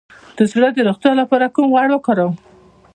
د زړه د روغتیا لپاره کوم غوړ وکاروم؟